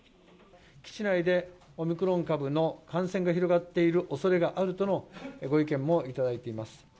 基地内でオミクロン株の感染が広がっているおそれがあるとのご意見もいただいています。